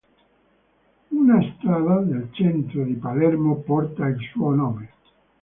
Una strada nel centro di Palermo porta il suo nome.